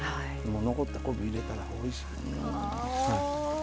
残った昆布入れたらおいしい。